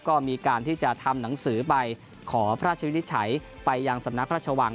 ก็มีการที่จะทำหนังสือไปขอพระราชวินิจฉัยไปยังสำนักพระราชวัง